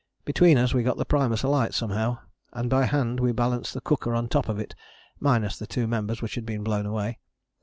Between us we got the primus alight somehow, and by hand we balanced the cooker on top of it, minus the two members which had been blown away.